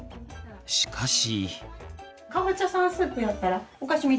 しかし。